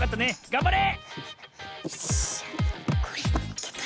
がんばれ！